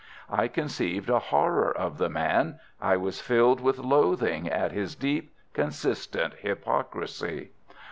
I conceived a horror of the man. I was filled with loathing at his deep, consistent hypocrisy.